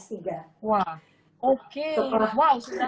wow sudah profesor berarti sudah pernah berhubungan